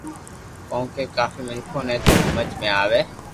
ڪونڪہ ڪافي مينکون ني تو ھمج مي آوي